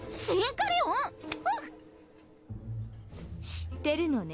知ってるのね？